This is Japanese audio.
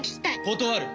断る。